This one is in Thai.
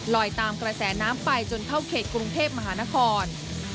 ตามกระแสน้ำไปจนเข้าเขตกรุงเทพมหานคร